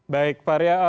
baik pak arya